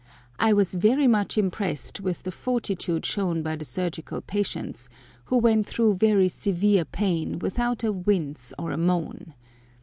I was very much impressed with the fortitude shown by the surgical patients, who went through very severe pain without a wince or a moan.